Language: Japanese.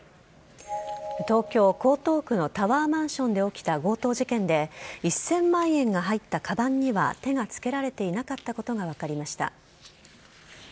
東京・江東区のタワーマンションで起きた強盗事件で、１０００万円が入ったかばんには手がつけられていなかったことが分かりました。